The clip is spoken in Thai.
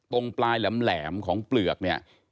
ตรงปลายแหลมของเปลือกเนี่ย